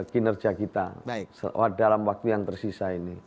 kinerja kita dalam waktu yang tersisa ini